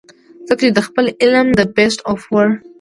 ځکه د خپل دغه فلم The Beast of War